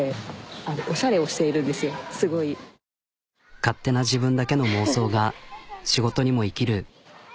勝手な自分だけの妄想が仕事にも生きる。